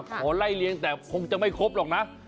ขอไล่เลี้ยงแต่คงจะไม่ครบหรอกนะ